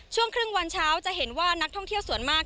ช่วงครึ่งวันเช้าจะเห็นว่านักท่องเที่ยวส่วนมาก